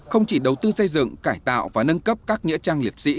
không chỉ đầu tư xây dựng cải tạo và nâng cấp các nghĩa trang liệt sĩ